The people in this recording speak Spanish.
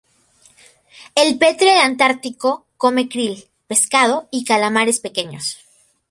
El petrel antártico come krill, pescado, y calamares pequeños.